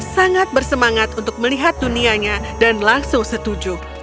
sangat bersemangat untuk melihat dunianya dan langsung setuju